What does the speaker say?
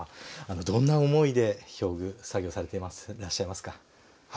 どんな思いで表具作業されてらっしゃいますか？